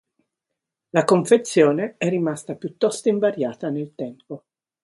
La confezione è rimasta piuttosto invariata nel tempo.